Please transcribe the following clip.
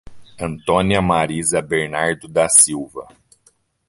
Antônia Mariza Bernardo da Silva